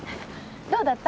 どうだった？